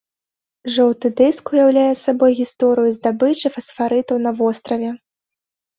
Жоўты дыск уяўляе сабой гісторыю здабычы фасфарытаў на востраве.